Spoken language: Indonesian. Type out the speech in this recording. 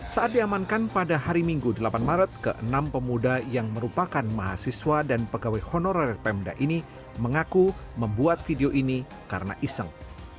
saat diamankan pada hari minggu delapan maret ke enam pemuda yang merupakan mahasiswa dan pegawai honorer pemda ini mengaku membuat video ini karena iseng